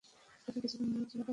তাকে কিছুক্ষন নাড়াচাড়া করো।